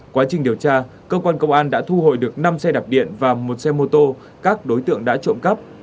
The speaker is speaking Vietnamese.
quá trình điều tra cơ quan công an đã thu hồi được năm xe đạp điện và một xe mô tô các đối tượng đã trộm cắp